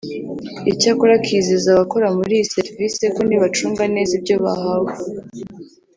Icyakora akizeza abakora muri iyi serivisi ko nibacunga neza ibyo bahawe